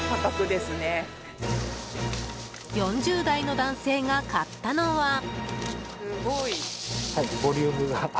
４０代の男性が買ったのは。